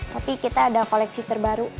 tapi kita ada koleksi terbaru